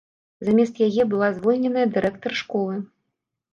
Замест яе была звольненая дырэктар школы.